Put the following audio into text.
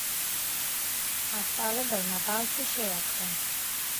მასწავლებელმა ბავშვი შეაქო